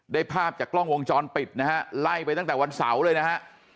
ภาพจากกล้องวงจรปิดนะฮะไล่ไปตั้งแต่วันเสาร์เลยนะฮะ